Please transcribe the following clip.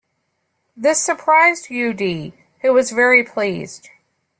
This surprised Yu Di, who was very pleased.